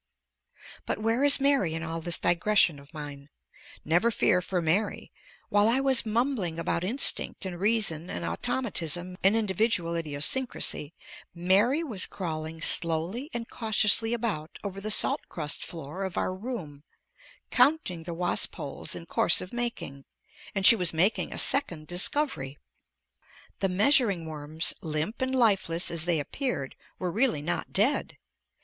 But where is Mary in all this digression of mine? Never fear for Mary. While I was mumbling about instinct and reason and automatism and individual idiosyncrasy, Mary was crawling slowly and cautiously about over the salt crust floor of our room, counting the wasp holes in course of making, and she was making a second discovery. The measuring worms, limp and lifeless as they appeared, were really not dead!